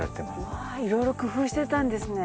うわいろいろ工夫してたんですね。